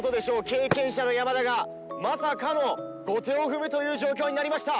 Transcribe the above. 経験者の山田がまさかの後手を踏むという状況になりました。